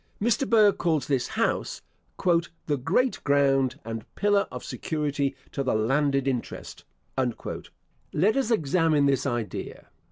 Mr. Burke calls this house "the great ground and pillar of security to the landed interest." Let us examine this idea.